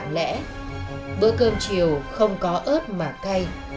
lẽ bữa cơm chiều không có ớt mà cay